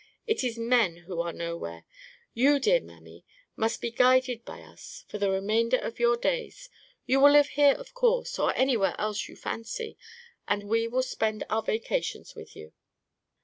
It is men who are nowhere. You, dear mammy, must be guided by us for the remainder of your days. You will live here, of course, or anywhere else you fancy, and we will spend our vacations with you."